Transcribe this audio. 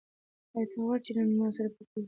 ایا ته غواړې چې نن ما سره بوټي وکرې؟